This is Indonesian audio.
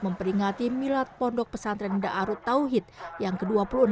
memperingati milad pondok pesantren da'arut tauhid yang ke dua puluh enam